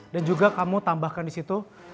dan juga kamu tambahkan disitu